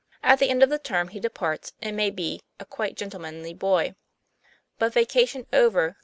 At the end of the term he departs, it may be, a quiet, gentlemanly boy. But, vacation over, lo!